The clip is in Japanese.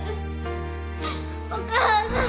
お母さん！